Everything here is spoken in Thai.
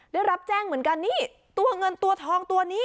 ได้รับแจ้งเหมือนกันนี่ตัวเงินตัวทองตัวนี้